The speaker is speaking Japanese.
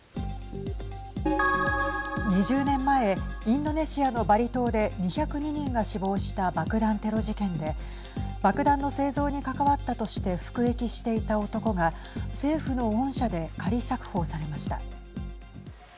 ２０年前インドネシアのバリ島で２０２人が死亡した爆弾テロ事件で爆弾の製造に関わったとして服役していた男が政府の恩赦で仮釈放されました。